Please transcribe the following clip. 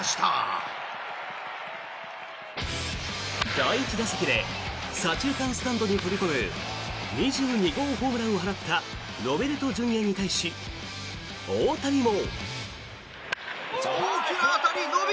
第１打席で左中間スタンドに飛び込む２２号ホームランを放ったロベルトＪｒ．に対し大谷も。